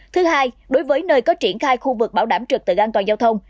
thứ hai đối với nơi có triển khai khu vực bảo đảm trực tự an toàn giao thông